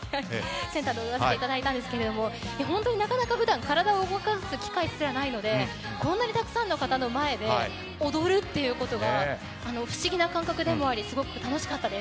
センターで踊らせていただきましたが本当になかなか普段体を動かす機会がないのでこんなにたくさんの方の前で踊るってことが不思議な感覚でもありすごく楽しかったです。